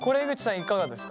いかがですか？